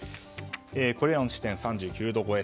これらの地点３９度超え。